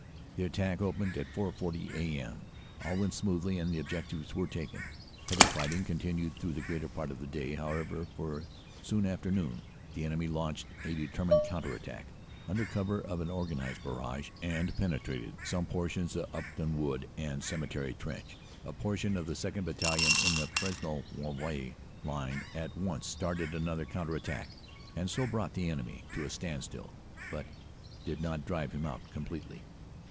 "The attack opened at 4.40 a.m. All went smoothly and the objectives were taken. Heavy fighting continued through the greater part of the day, however, for soon after noon the enemy launched a determined counter attack under cover of an organized barrage, and penetrated some portions of Upton OPERATIONS : AUG. 29 3 1 149 Wood and Cemetery Trench. A portion of the 2nd. Battalion in the Fresnes Rouvroy line at once started another counter attack, and so brought the enemy to a standstill, but did not drive him out completely.